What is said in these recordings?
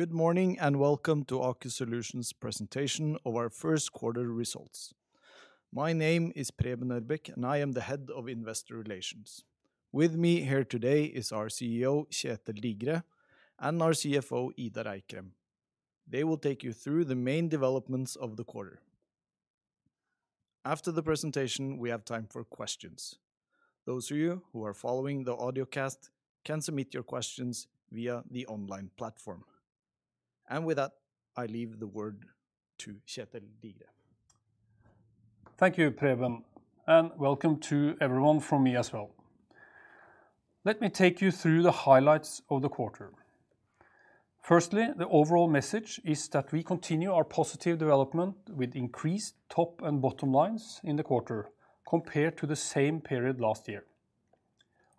Good morning, welcome to Aker Solutions presentation of our first quarter results. My name is Preben Ørbeck, and I am the head of investor relations. With me here today is our CEO, Kjetel Digre, and our CFO, Idar Eikrem. They will take you through the main developments of the quarter. After the presentation, we have time for questions. Those of you who are following the audio cast can submit your questions via the online platform. With that, I leave the word to Kjetel Digre. Thank you, Preben Ørbeck, and welcome to everyone from me as well. Let me take you through the highlights of the quarter. Firstly, the overall message is that we continue our positive development with increased top and bottom lines in the quarter compared to the same period last year.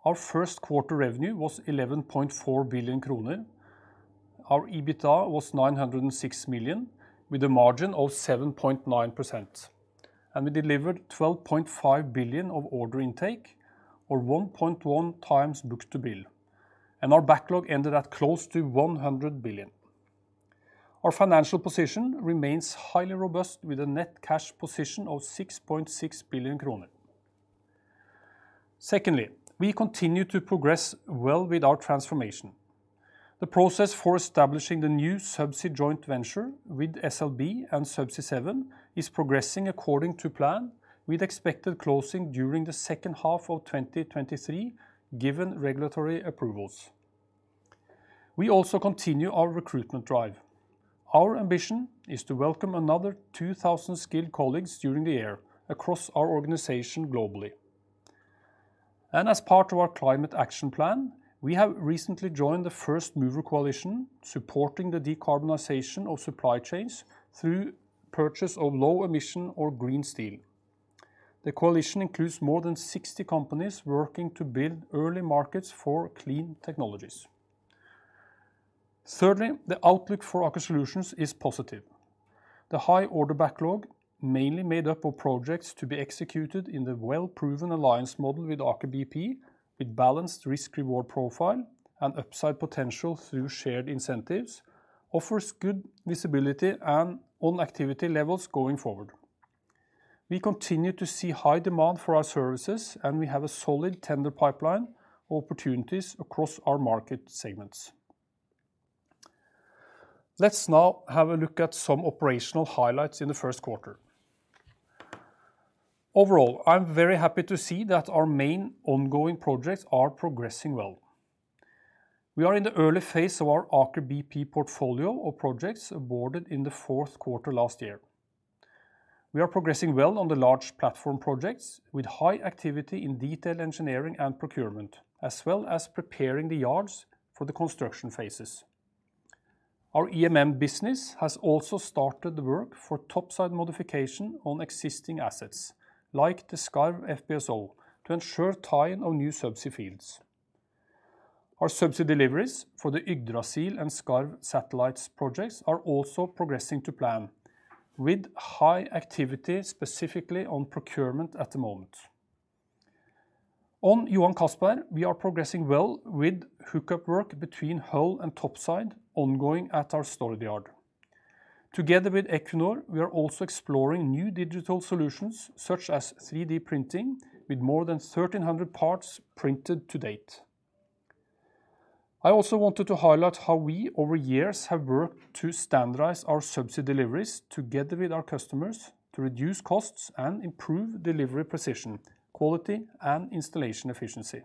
Our first quarter revenue was 11.4 billion kroner. Our EBITDA was 906 million, with a margin of 7.9%. We delivered 12.5 billion of order intake or 1.1x book-to-bill, and our backlog ended at close to 100 billion. Our financial position remains highly robust, with a net cash position of 6.6 billion kroner. Secondly, we continue to progress well with our transformation. The process for establishing the new subsea joint venture with SLB and Subsea 7 is progressing according to plan with expected closing during the second half of 2023, given regulatory approvals. We also continue our recruitment drive. Our ambition is to welcome another 2,000 skilled colleagues during the year across our organization globally. As part of our climate action plan, we have recently joined the First Movers Coalition, supporting the decarbonization of supply chains through purchase of low emission or green steel. The coalition includes more than 60 companies working to build early markets for clean technologies. Thirdly, the outlook for Aker Solutions is positive. The high order backlog, mainly made up of projects to be executed in the well-proven alliance model with Aker BP, with balanced risk/reward profile and upside potential through shared incentives, offers good visibility and on activity levels going forward. We continue to see high demand for our services, and we have a solid tender pipeline of opportunities across our market segments. Let's now have a look at some operational highlights in the first quarter. Overall, I'm very happy to see that our main ongoing projects are progressing well. We are in the early phase of our Aker BP portfolio of projects awarded in the fourth quarter last year. We are progressing well on the large platform projects with high activity in detail engineering and procurement, as well as preparing the yards for the construction phases. Our EMM business has also started the work for topside modification on existing assets like the Skarv FPSO, to ensure tie-in of new subsea fields. Our subsea deliveries for the Yggdrasil and Skarv satellites projects are also progressing to plan with high activity specifically on procurement at the moment. On Johan Castberg, we are progressing well with hookup work between hull and topside ongoing at our Stord yard. Together with Equinor, we are also exploring new digital solutions such as 3D printing with more than 1,300 parts printed to date. I also wanted to highlight how we over years have worked to standardize our subsea deliveries together with our customers to reduce costs and improve delivery precision, quality, and installation efficiency.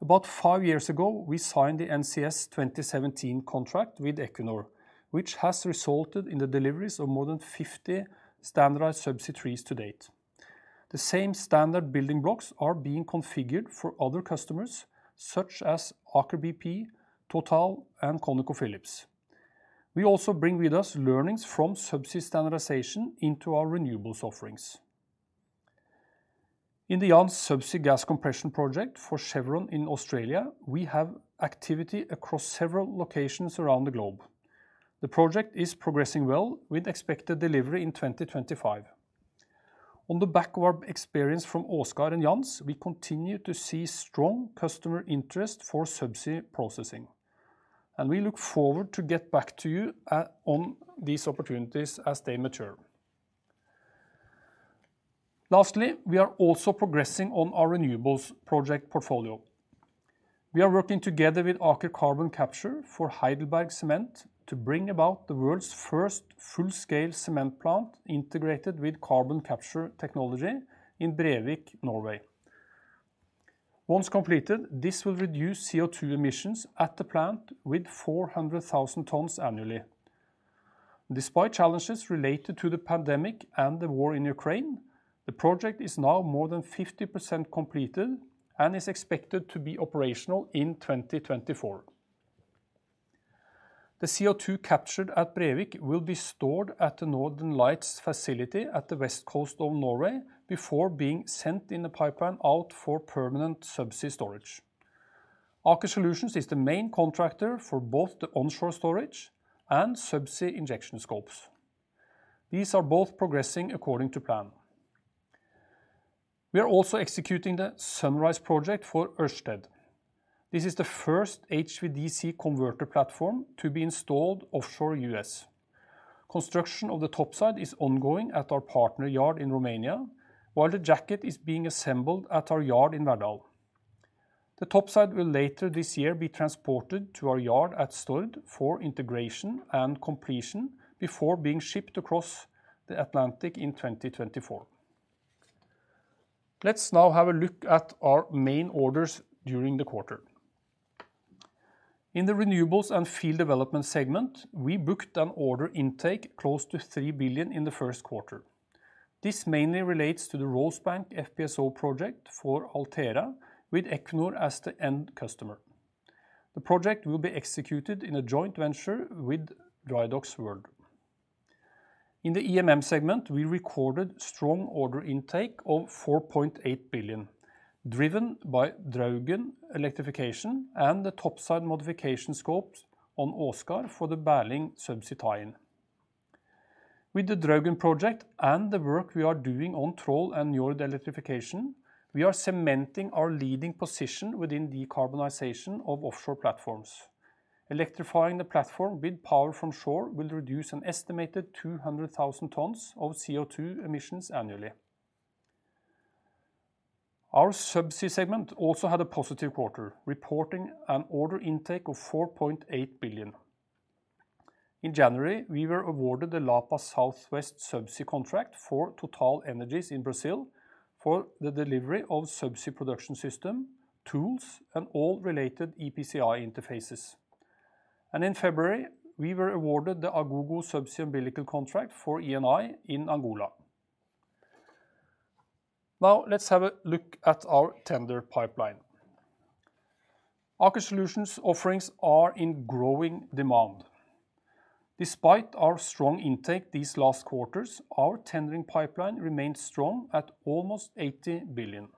About five years ago, we signed the NCS 2017 contract with Equinor, which has resulted in the deliveries of more than 50 standardized subsea trees to date. The same standard building blocks are being configured for other customers such as Aker BP, Total, and ConocoPhillips. We also bring with us learnings from subsea standardization into our renewables offerings. In the Jansz subsea gas compression project for Chevron in Australia, we have activity across several locations around the globe. The project is progressing well with expected delivery in 2025. On the back of our experience from Åsgard and Jansz, we continue to see strong customer interest for subsea processing, and we look forward to get back to you on these opportunities as they mature. Lastly, we are also progressing on our renewables project portfolio. We are working together with Aker Carbon Capture for Heidelberg Cement to bring about the world's first full-scale cement plant integrated with carbon capture technology in Brevik, Norway. Once completed, this will reduce CO2 emissions at the plant with 400,000 tons annually. Despite challenges related to the pandemic and the war in Ukraine, the project is now more than 50% completed and is expected to be operational in 2024. The CO2 captured at Brevik will be stored at the Northern Lights facility at the west coast of Norway before being sent in a pipeline out for permanent subsea storage. Aker Solutions is the main contractor for both the onshore storage and subsea injection scopes. These are both progressing according to plan. We are also executing the Sunrise Wind project for Ørsted. This is the first HVDC converter platform to be installed offshore U.S. Construction of the topside is ongoing at our partner yard in Romania, while the jacket is being assembled at our yard in Verdal. The topside will later this year be transported to our yard at Stord for integration and completion before being shipped across the Atlantic in 2024. Let's now have a look at our main orders during the quarter. In the renewables and field development segment, we booked an order intake close to 3 billion in the first quarter. This mainly relates to the Rosebank FPSO project for Altera, with Equinor as the end customer. The project will be executed in a joint venture with Drydocks World. In the EMM segment, we recorded strong order intake of 4.8 billion, driven by Draugen electrification and the topside modification scopes on Åsgard for the Berling subsea tie-in. With the Draugen project and the work we are doing on Troll and Njord electrification, we are cementing our leading position within decarbonization of offshore platforms. Electrifying the platform with power from shore will reduce an estimated 200,000 tons of CO2 emissions annually. Our subsea segment also had a positive quarter, reporting an order intake of 4.8 billion. In January, we were awarded the Lapa South West subsea contract for TotalEnergies in Brazil for the delivery of subsea production system, tools, and all related EPCI interfaces. In February, we were awarded the Agogo subsea umbilical contract for Eni in Angola. Now let's have a look at our tender pipeline. Aker Solutions offerings are in growing demand. Despite our strong intake these last quarters, our tendering pipeline remained strong at almost 80 billion.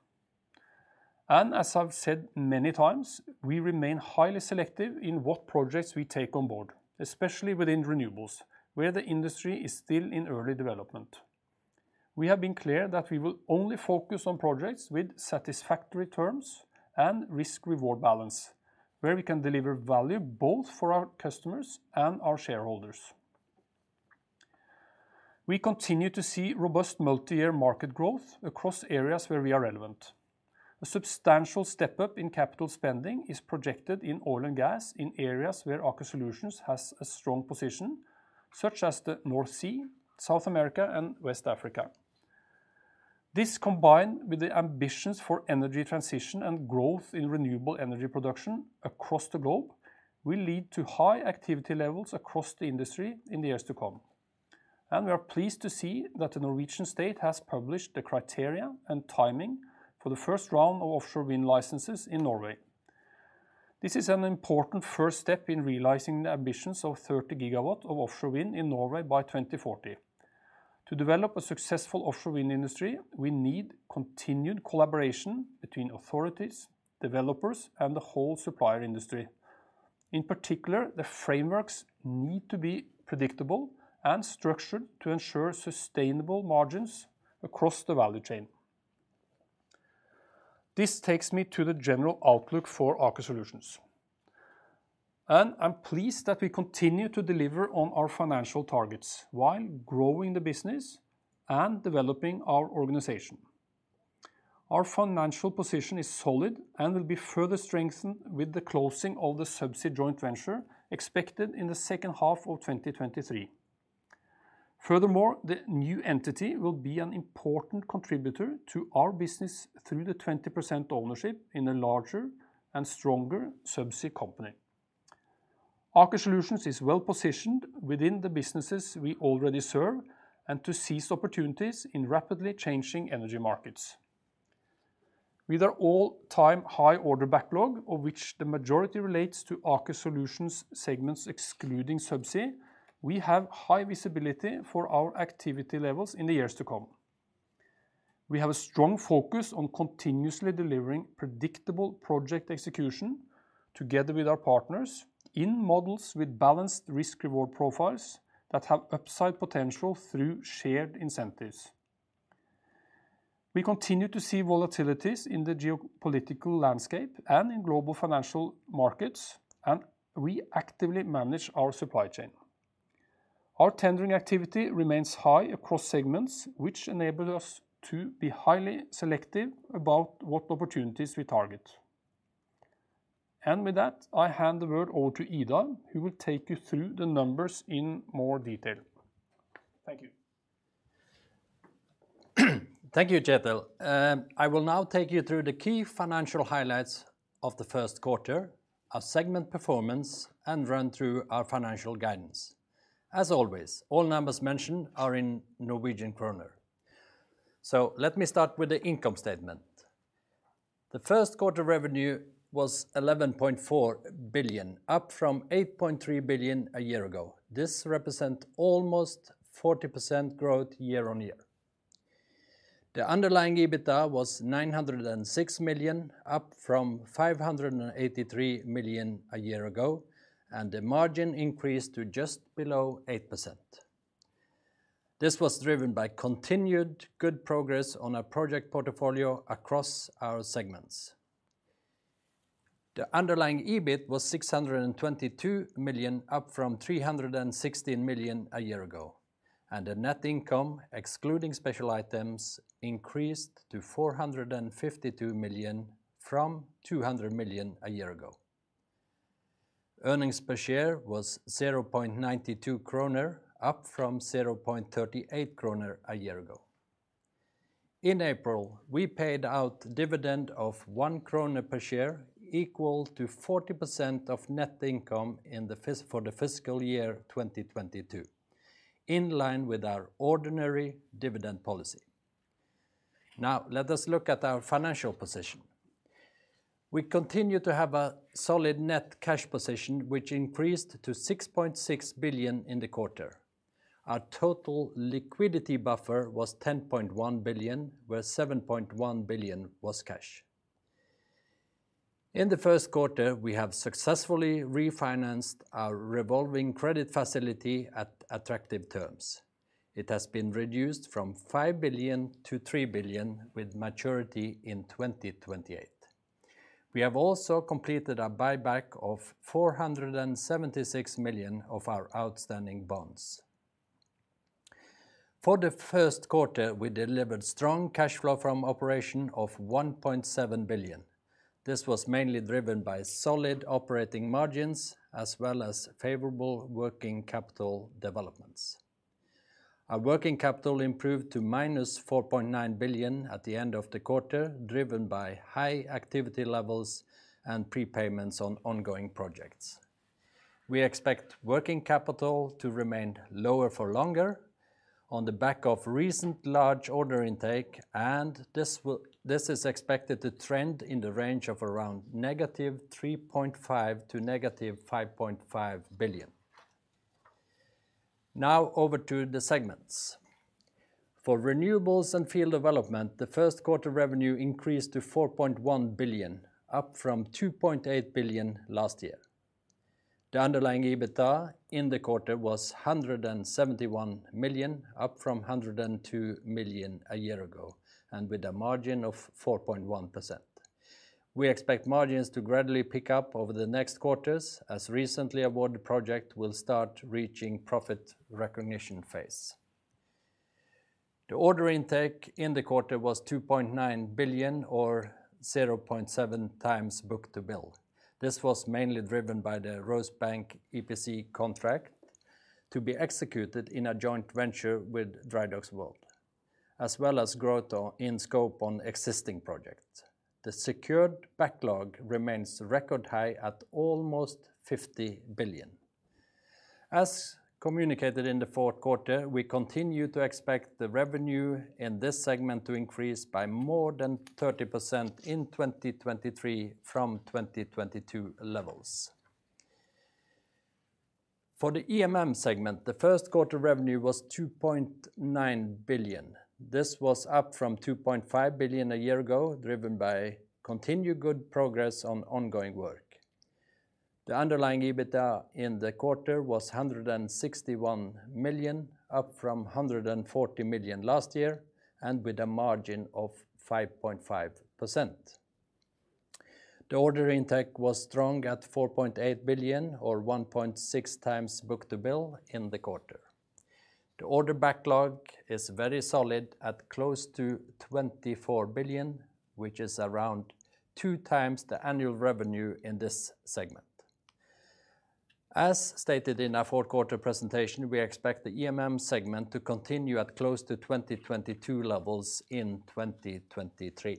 As I've said many times, we remain highly selective in what projects we take on board, especially within renewables, where the industry is still in early development. We have been clear that we will only focus on projects with satisfactory terms and risk-reward balance, where we can deliver value both for our customers and our shareholders. We continue to see robust multi-year market growth across areas where we are relevant. A substantial step-up in capital spending is projected in oil and gas in areas where Aker Solutions has a strong position, such as the North Sea, South America, and West Africa. This combined with the ambitions for energy transition and growth in renewable energy production across the globe will lead to high activity levels across the industry in the years to come. We are pleased to see that the Norwegian state has published the criteria and timing for the first round of offshore wind licenses in Norway. This is an important first step in realizing the ambitions of 30 gigawatt of offshore wind in Norway by 2040. To develop a successful offshore wind industry, we need continued collaboration between authorities, developers, and the whole supplier industry. In particular, the frameworks need to be predictable and structured to ensure sustainable margins across the value chain. This takes me to the general outlook for Aker Solutions. I'm pleased that we continue to deliver on our financial targets while growing the business and developing our organization. Our financial position is solid and will be further strengthened with the closing of the subsea joint venture expected in the second half of 2023. Furthermore, the new entity will be an important contributor to our business through the 20% ownership in a larger and stronger subsea company. Aker Solutions is well-positioned within the businesses we already serve and to seize opportunities in rapidly changing energy markets. With our all-time high order backlog, of which the majority relates to Aker Solutions segments excluding subsea, we have high visibility for our activity levels in the years to come. We have a strong focus on continuously delivering predictable project execution together with our partners in models with balanced risk-reward profiles that have upside potential through shared incentives. We continue to see volatilities in the geopolitical landscape and in global financial markets, and we actively manage our supply chain. Our tendering activity remains high across segments, which enable us to be highly selective about what opportunities we target. With that, I hand the word over to Idar, who will take you through the numbers in more detail. Thank you. Thank you, Kjetel. I will now take you through the key financial highlights of the first quarter, our segment performance, and run through our financial guidance. As always, all numbers mentioned are in Norwegian kroner. Let me start with the income statement. The first quarter revenue was 11.4 billion, up from 8.3 billion a year ago. This represent almost 40% growth year-on-year. The underlying EBITDA was 906 million, up from 583 million a year ago, and the margin increased to just below 8%. This was driven by continued good progress on our project portfolio across our segments. The underlying EBIT was 622 million, up from 316 million a year ago, and the net income, excluding special items, increased to 452 million from 200 million a year ago. Earnings per share was 0.92 kroner, up from 0.38 kroner a year ago. In April, we paid out dividend of 1 kroner per share, equal to 40% of net income for the fiscal year 2022, in line with our ordinary dividend policy. Let us look at our financial position. We continue to have a solid net cash position, which increased to 6.6 billion in the quarter. Our total liquidity buffer was 10.1 billion, where 7.1 billion was cash. In the first quarter, we have successfully refinanced our revolving credit facility at attractive terms. It has been reduced from 5 billion to 3 billion, with maturity in 2028. We have also completed a buyback of 476 million of our outstanding bonds. For the first quarter, we delivered strong cash flow from operation of 1.7 billion. This was mainly driven by solid operating margins, as well as favorable working capital developments. Our working capital improved to -4.9 billion at the end of the quarter, driven by high activity levels and prepayments on ongoing projects. We expect working capital to remain lower for longer on the back of recent large order intake, this is expected to trend in the range of around -3.5 billion to -5.5 billion. Over to the segments. For renewables and field development, the first quarter revenue increased to 4.1 billion, up from 2.8 billion last year. The underlying EBITDA in the quarter was 171 million, up from 102 million a year ago and with a margin of 4.1%. We expect margins to gradually pick up over the next quarters as recently awarded project will start reaching profit recognition phase. The order intake in the quarter was 2.9 billion, or 0.7x book-to-bill. This was mainly driven by the Rosebank EPC contract to be executed in a joint venture with Drydocks World, as well as growth in scope on existing projects. The secured backlog remains record high at almost 50 billion. As communicated in the fourth quarter, we continue to expect the revenue in this segment to increase by more than 30% in 2023 from 2022 levels. For the EMM segment, the first quarter revenue was 2.9 billion. This was up from 2.5 billion a year ago, driven by continued good progress on ongoing work. The underlying EBITDA in the quarter was 161 million, up from 140 million last year, and with a margin of 5.5%. The order intake was strong at 4.8 billion, or 1.6x book-to-bill in the quarter. The order backlog is very solid at close to 24 billion, which is around 2x the annual revenue in this segment. As stated in our fourth quarter presentation, we expect the EMM segment to continue at close to 2022 levels in 2023.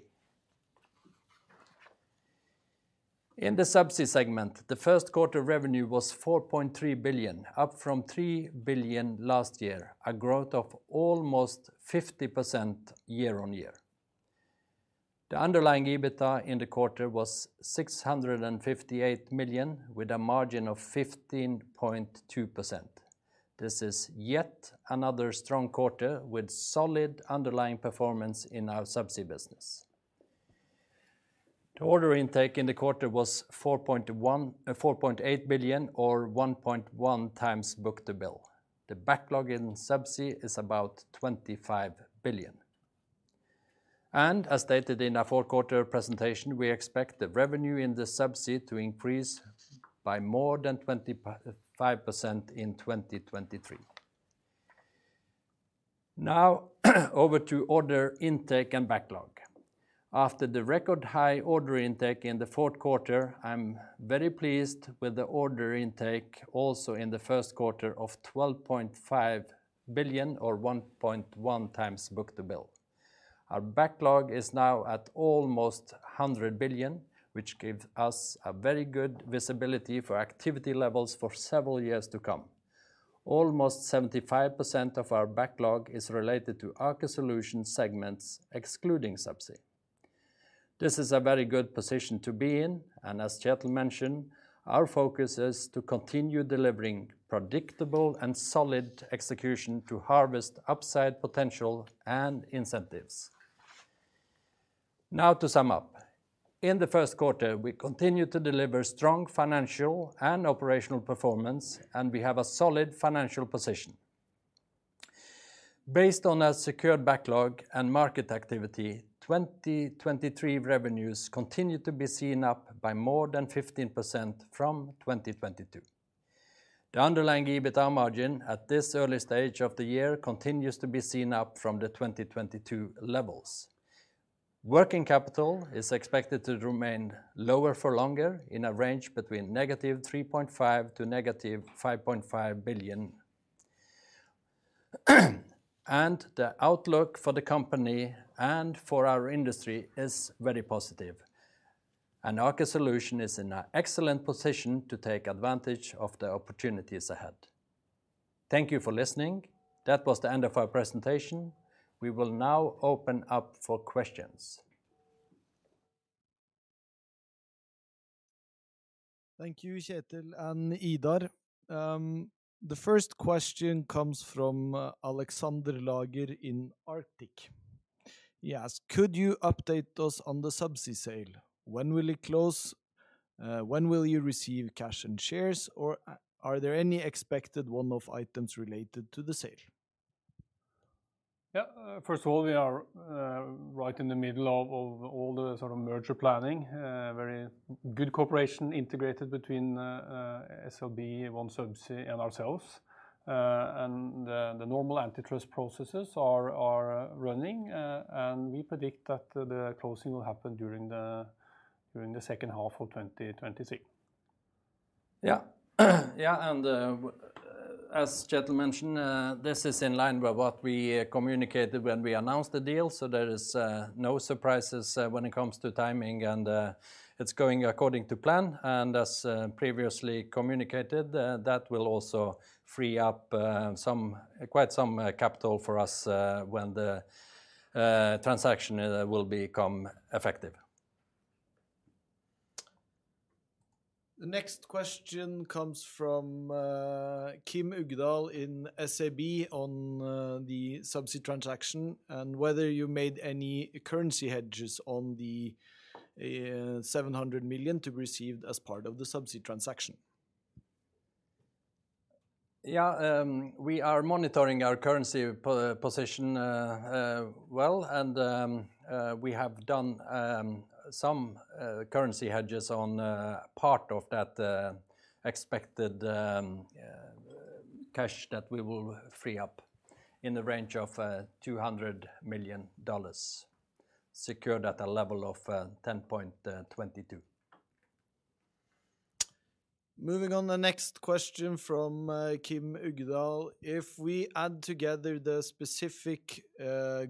In the subsea segment, the first quarter revenue was 4.3 billion, up from 3 billion last year, a growth of almost 50% year-on-year. The underlying EBITDA in the quarter was 658 million, with a margin of 15.2%. This is yet another strong quarter with solid underlying performance in our subsea business. The order intake in the quarter was 4.8 billion, or 1.1x book-to-bill. The backlog in subsea is about 25 billion. As stated in our fourth quarter presentation, we expect the revenue in the subsea to increase by more than 25% in 2023. Now, over to order intake and backlog. After the record high order intake in the fourth quarter, I am very pleased with the order intake also in the first quarter of 12.5 billion, or 1.1x book-to-bill. Our backlog is now at almost 100 billion, which gives us a very good visibility for activity levels for several years to come. Almost 75% of our backlog is related to Aker Solutions segments excluding subsea. This is a very good position to be in, as Kjetel mentioned, our focus is to continue delivering predictable and solid execution to harvest upside potential and incentives. To sum up. In the first quarter, we continued to deliver strong financial and operational performance, we have a solid financial position. Based on our secured backlog and market activity, 2023 revenues continue to be seen up by more than 15% from 2022. The underlying EBITDA margin at this early stage of the year continues to be seen up from the 2022 levels. Working capital is expected to remain lower for longer in a range between -3.5 billion to -5.5 billion. The outlook for the company and for our industry is very positive. Aker Solutions is in an excellent position to take advantage of the opportunities ahead. Thank you for listening. That was the end of our presentation. We will now open up for questions. Thank you, Kjetel and Idar. The first question comes from Alexander Lager in Arctic. He asks, "Could you update us on the subsea sale? When will it close? When will you receive cash and shares? Or are there any expected one-off items related to the sale? First of all, we are right in the middle of all the sort of merger planning. Very good cooperation integrated between SLB, OneSubsea, and ourselves. The normal antitrust processes are running, and we predict that the closing will happen during the second half of 2023. Yeah. Yeah, as Kjetel mentioned, this is in line with what we communicated when we announced the deal, so there is no surprises when it comes to timing and it's going according to plan. As previously communicated, that will also free up, some, quite some capital for us, when the transaction will become effective. The next question comes from Kim Uggedal in SEB on the subsea transaction and whether you made any currency hedges on the 700 million to be received as part of the subsea transaction? We are monitoring our currency position well. We have done some currency hedges on part of that expected cash that we will free up in the range of $200 million secured at a level of 10.22. Moving on, the next question from Kim Uggedal, if we add together the specific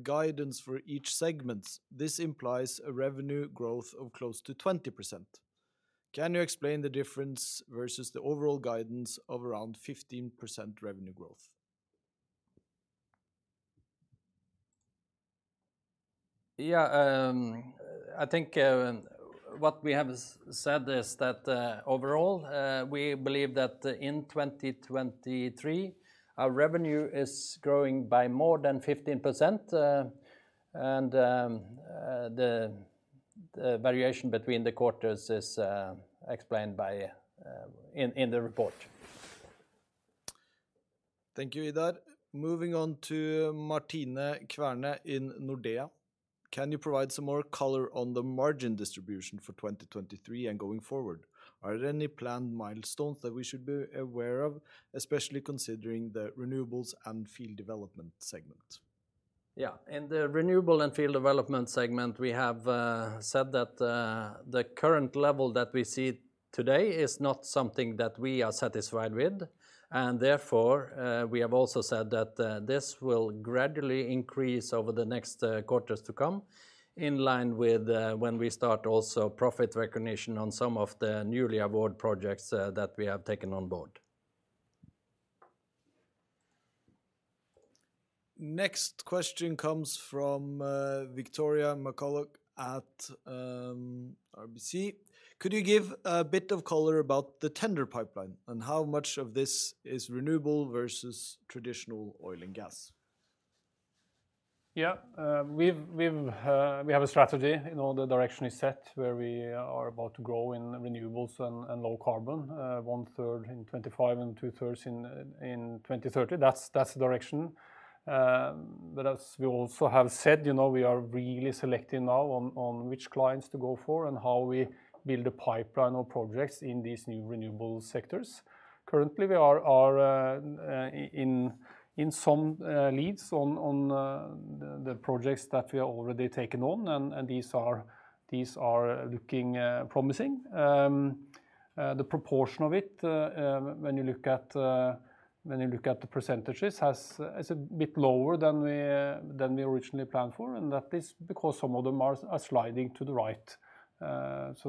guidance for each segment, this implies a revenue growth of close to 20%. Can you explain the difference versus the overall guidance of around 15% revenue growth? I think what we have said is that overall, we believe that in 2023, our revenue is growing by more than 15%, and the variation between the quarters is explained by in the report. Thank you, Idar. Moving on to Martine Kverne in Nordea. Can you provide some more color on the margin distribution for 2023 and going forward? Are there any planned milestones that we should be aware of, especially considering the renewables and field development segment? Yeah. In the renewable and field development segment, we have said that the current level that we see today is not something that we are satisfied with. Therefore, we have also said that this will gradually increase over the next quarters to come in line with when we start also profit recognition on some of the newly award projects that we have taken on board. Next question comes from Victoria McCulloch at RBC. Could you give a bit of color about the tender pipeline and how much of this is renewable versus traditional oil and gas? Yeah. We have a strategy. You know, the direction is set where we are about to grow in renewables and low carbon, one-third in 25 and two-thirds in 2030. That's the direction. As we also have said, you know, we are really selecting now on which clients to go for and how we build a pipeline of projects in these new renewable sectors. Currently, we are in some leads on the projects that we have already taken on, and these are looking promising. The proportion of it, when you look at the percentages is a bit lower than we originally planned for, and that is because some of them are sliding to the right.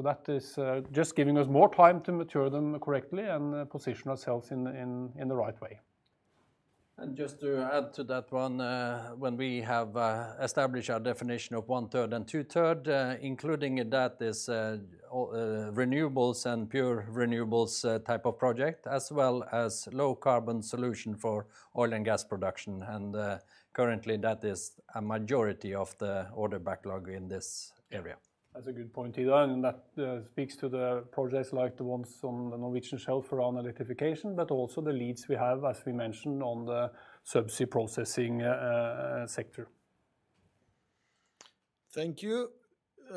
That is just giving us more time to mature them correctly and position ourselves in the right way. Just to add to that one, when we have established our definition of one-third and two-third, including that is renewables and pure renewables type of project, as well as low carbon solution for oil and gas production. Currently, that is a majority of the order backlog in this area. That's a good point, Idar, and that speaks to the projects like the ones on the Norwegian shelf around electrification, but also the leads we have, as we mentioned, on the subsea processing sector. Thank you.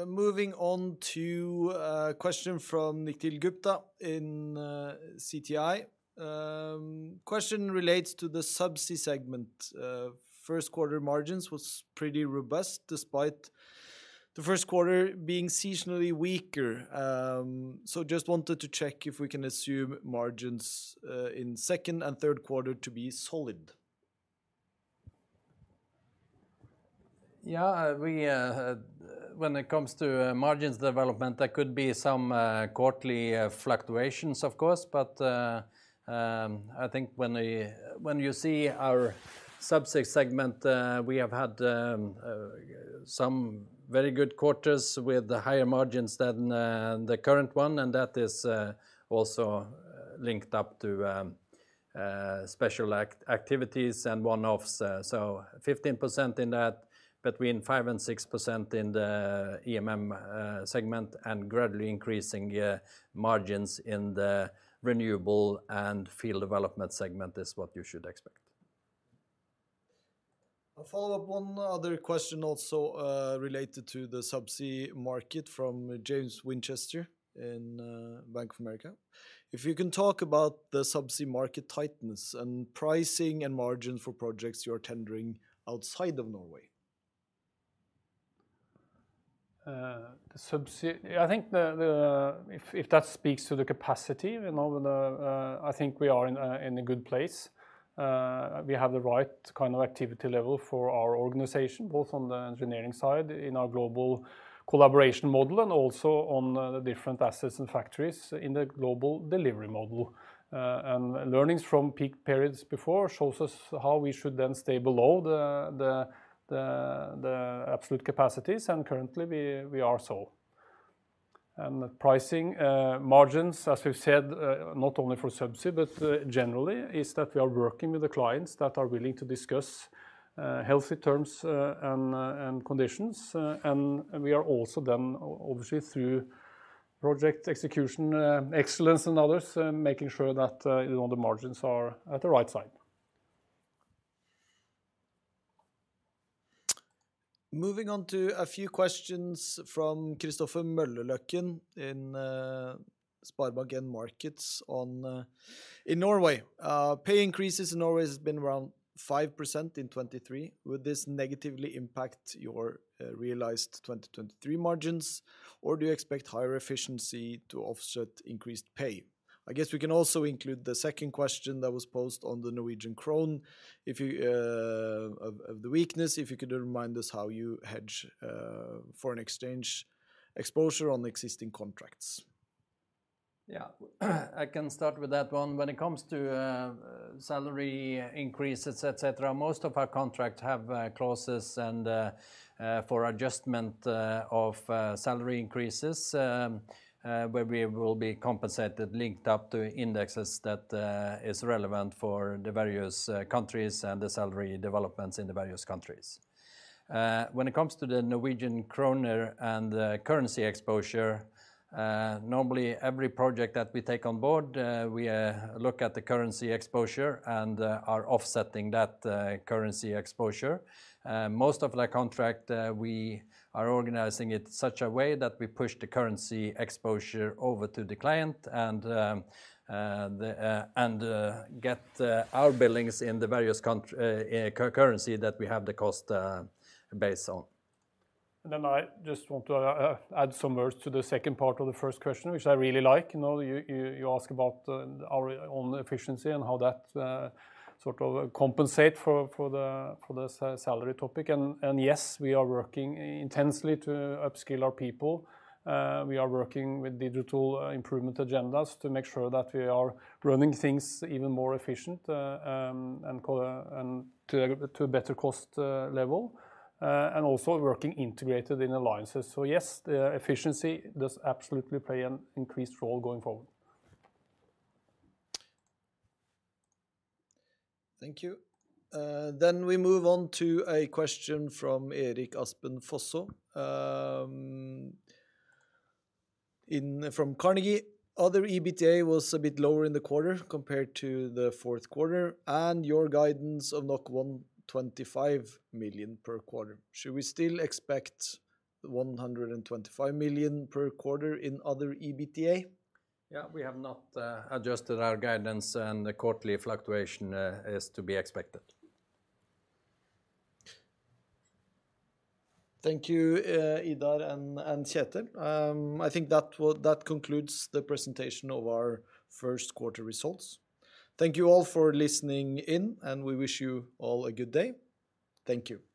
Moving on to a question from Nikhil Gupta in Citi. Question relates to the subsea segment. First quarter margins was pretty robust despite the first quarter being seasonally weaker. Just wanted to check if we can assume margins in second and third quarter to be solid? We, when it comes to margins development, there could be some quarterly fluctuations of course, but I think when you see our subsea segment, we have had some very good quarters with the higher margins than the current one, and that is also linked up to special activities and one-offs. So 15% in that between 5% and 6% in the EMM segment and gradually increasing margins in the Renewable and Field Development segment is what you should expect. A follow-up, one other question also, related to the subsea market from James Winchester in Bank of America. If you can talk about the subsea market tightness and pricing and margins for projects you are tendering outside of Norway? The subsea. I think if that speaks to the capacity, you know, I think we are in a good place. We have the right kind of activity level for our organization, both on the engineering side in our global collaboration model and also on the different assets and factories in the global delivery model. Learnings from peak periods before shows us how we should then stay below the absolute capacities, and currently we are so. The pricing, margins, as we've said, not only for subsea, but generally is that we are working with the clients that are willing to discuss healthy terms and conditions. We are also then obviously through project execution, excellence and others, making sure that, you know, the margins are at the right side. Moving on to a few questions from Christopher Møllerløkken in SpareBank 1 Markets on. In Norway, pay increases in Norway has been around 5% in 2023. Would this negatively impact your realized 2023 margins, or do you expect higher efficiency to offset increased pay? I guess we can also include the second question that was posed on the Norwegian krone if you, of the weakness, if you could remind us how you hedge foreign exchange exposure on the existing contracts. Yeah, I can start with that one. When it comes to salary increases, et cetera, most of our contracts have clauses and for adjustment of salary increases, where we will be compensated linked up to indexes that is relevant for the various countries and the salary developments in the various countries. When it comes to the Norwegian kroner and the currency exposure, normally every project that we take on board, we look at the currency exposure and are offsetting that currency exposure. Most of that contract, we are organizing it such a way that we push the currency exposure over to the client and get our billings in the various currency that we have the cost based on. I just want to add some words to the second part of the first question which I really like. You know, you ask about our own efficiency and how that sort of compensate for the salary topic. Yes, we are working intensely to upskill our people. We are working with digital improvement agendas to make sure that we are running things even more efficient and to a better cost level and also working integrated in alliances. Yes, the efficiency does absolutely play an increased role going forward. Thank you. We move on to a question from Erik Aspen Fosså from Carnegie. Other EBITDA was a bit lower in the quarter compared to the fourth quarter and your guidance of 125 million per quarter. Should we still expect 125 million per quarter in other EBITDA? We have not adjusted our guidance, and the quarterly fluctuation is to be expected. Thank you, Idar and Kjetel. I think that concludes the presentation of our first quarter results. Thank you all for listening in, and we wish you all a good day. Thank you. Thank you.